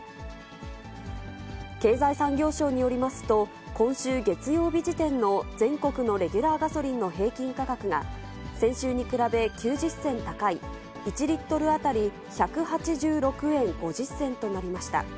経済産業省によりますと、今週月曜日時点の全国のレギュラーガソリンの平均価格が、先週に比べ９０銭高い、１リットル当たり１８６円５０銭となりました。